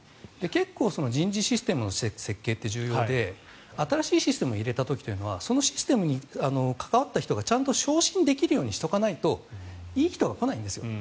結構、人事システムの設計って重要で新しいシステムを入れた時というのはそのシステムに関わった人がちゃんと昇進できるようにしておかないといい人が来ないんですよ。